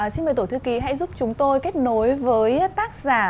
xin mời tổ thư ký hãy giúp chúng tôi kết nối với tác giả